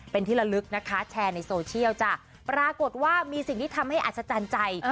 เป็นที่ละลึกนะคะแชร์ในโซเชียลจ้ะปรากฏว่ามีสิ่งที่ทำให้อัศจรรย์ใจ